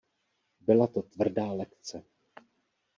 Byla to tvrdá lekce.